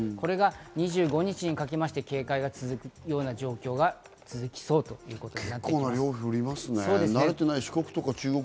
これが２５日にかけまして警戒が続くような状況が続きそうということです。